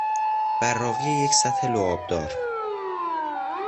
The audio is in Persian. براقی یک سطح لعاب دار